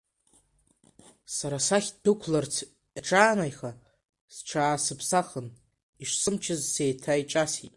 Сара сахь ддәықәларц иҿанааиха, сҽаасыԥсахын, ишсымчыз сеиҭаиҿасит…